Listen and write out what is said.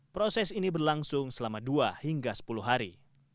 proses ini berlangsung selama dua hingga sepuluh hari